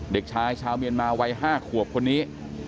เด็กชายชาวเมียนมาวัย๕ขวบคนนี้